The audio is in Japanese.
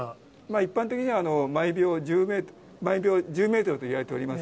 一般的には毎秒１０メートルといわれております。